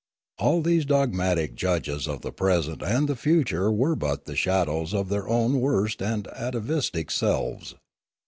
All these dogmatic judges of the present and the future were but the shad ows of their own worst and atavistic selves.